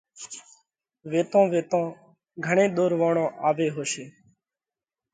۔ ويتون ويتون گھڻي ۮورووڻون آوي هوشي